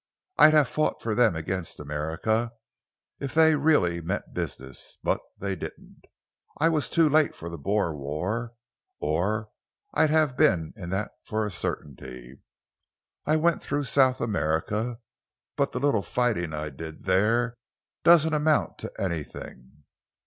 I'd have fought for them against America if they'd really meant business, but they didn't. I was too late for the Boer War or I'd have been in that for a certainty. I went through South America, but the little fighting I did there doesn't amount to anything.